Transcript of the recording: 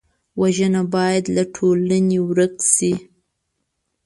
وژنه باید له ټولنې ورک شي